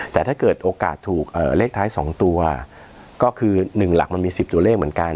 แต่ถ้าเกิดโอกาสถูกเลขท้าย๒ตัวก็คือ๑หลักมันมี๑๐ตัวเลขเหมือนกัน